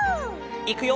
いくよ！